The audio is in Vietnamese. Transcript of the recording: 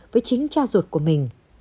với chính cha ruột của mình